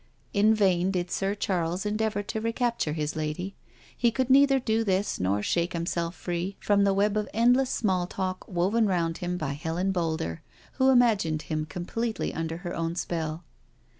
In vain did Sir Charles endeavour to recapture his lady; he could neither do this nor shake himself free Q 226 NO SURRENDER from the web off endless small talk woven round by Helen Boulder, who imagined him completely under her own spell.